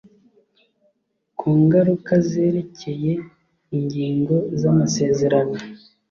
Ku ngaruka zerekeye ingingo z amasezerano